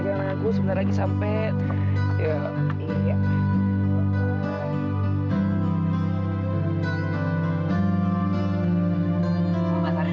jangan ragu sebentar lagi sampai